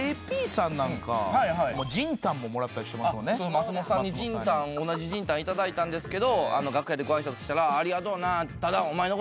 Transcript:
松本さんに同じ仁丹頂いたんですけど楽屋でご挨拶したらありがとうな。